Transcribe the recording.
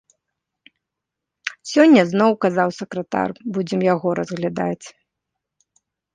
Сёння зноў, казаў сакратар, будзем яго разглядаць.